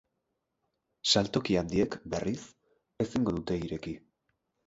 Saltoki handiek, berriz, ezingo dute ireki.